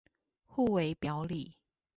互為表裡